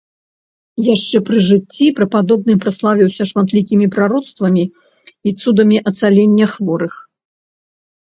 Яшчэ пры жыцці прападобны праславіўся шматлікімі прароцтвамі і цудамі ацалення хворых.